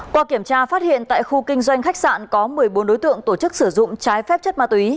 qua kiểm tra phát hiện tại khu kinh doanh khách sạn có một mươi bốn đối tượng tổ chức sử dụng trái phép chất ma túy